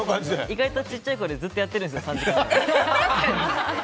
意外とちっちゃい声でずっとやってるんですよ。